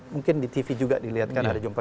mungkin di tv juga dilihatkan ada jumpa